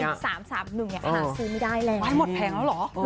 หนึ่งสามสามหนึ่งเดี๋ยวค่ะเลยผมที่ไม่ได้แรงหมดแผงแล้วเหรอ